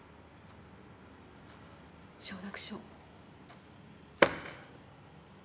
承諾書。